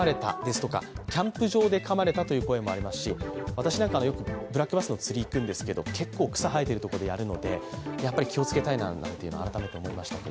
私なんかはブラックバスの釣り、よく行くんですけど結構草生えているところでやるので、やっぱり気をつけたいと改めて思いました。